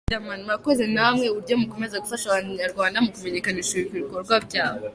Riderman : Murakoze namwe uburyo mukomeza gufasha abahanzi Nyarwanda mukumenyekanisha ibikorwa byabo.